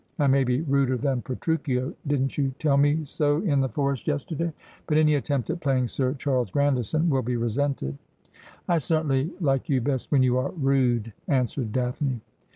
I may be ruder than Petruchio — didn't you tell me so in the forest yesterday ?— but any attempt at playing Sir Charles Grandison will be resented.' ' I certainly like you best when you are rude,' answered Daphne.